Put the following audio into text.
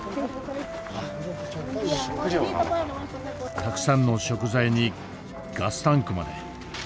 たくさんの食材にガスタンクまで。